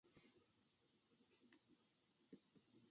餃子特講、あぁ、また行きたい。